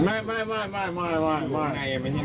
แล้วไปหาตรงไหนพ่อรู้หรือ